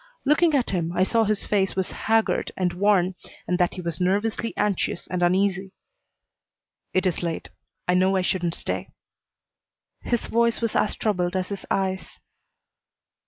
Looking at him, I saw his face was haggard and worn and that he was nervously anxious and uneasy. "It is late. I know I shouldn't stay." His voice was as troubled as his eyes.